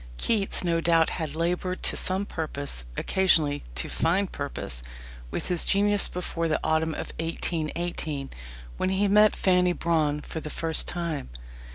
Keats no doubt had laboured to some purpose occasionally, to fine purpose with his genius before the autumn of 1818, when he met Fanny Brawne for the first time.